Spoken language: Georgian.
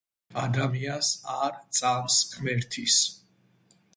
ადამიანს არ წამს ღმერთის